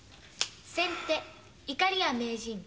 先手いかりや名人。